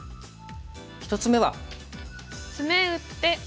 １つ目は。